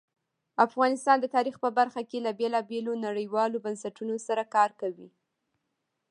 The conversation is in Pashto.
افغانستان د تاریخ په برخه کې له بېلابېلو نړیوالو بنسټونو سره کار کوي.